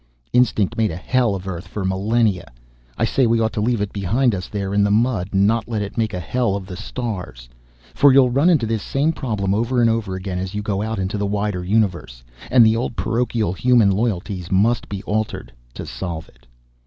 Instinct made a hell of Earth for millennia I say we ought to leave it behind us there in the mud and not let it make a hell of the stars. For you'll run into this same problem over and over again as you go out into the wider universe, and the old parochial human loyalties must be altered, to solve it."